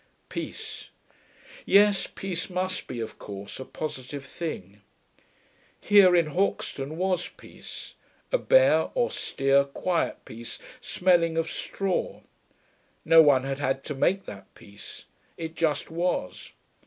Peace: yes, peace must be, of course, a positive thing. Here, in Hauxton, was peace; a bare, austere, quiet peace, smelling of straw. No one had had to make that peace; it just was.